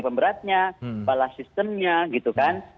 balas sistemnya gitu kan